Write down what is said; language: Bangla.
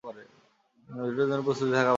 দুটোর জন্যই প্রস্তুতি থাকা ভালো।